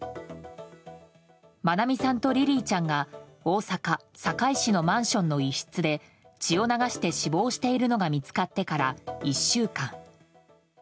愛美さんとリリィちゃんが大阪・堺市のマンションの一室で血を流して死亡しているのが見つかってから１週間。